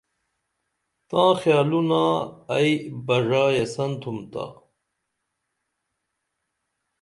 تاں خیالونا آئی بڙا یسن تُھم تا